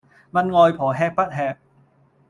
問外婆吃不吃